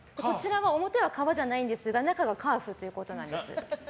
表は革じゃないんですが中がカーフってことです。